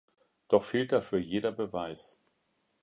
Doch fehlt dafür jeder Beweis.